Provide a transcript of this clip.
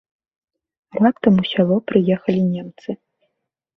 Раптам у сяло прыехалі немцы.